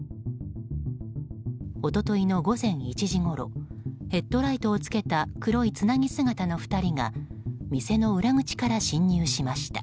一昨日の午前１時ごろヘッドライトをつけた黒いつなぎ姿の２人が店の裏口から侵入しました。